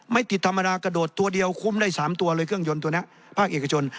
ไม่ติดธรรมดากระโดดตัวเดียวคุ้มได้๓ตัวเลยเครื่องยนต์ตัวนี้ภาคเอกชน